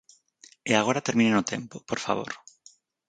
E agora termine no tempo, por favor.